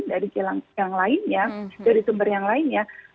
dari sumber yang lainnya